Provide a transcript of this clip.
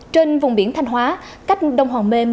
trên vùng biển thanh hóa cách đông hoàng mê